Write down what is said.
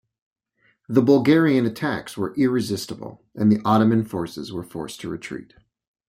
The Bulgarian attacks were irresistible and the Ottoman forces were forced to retreat.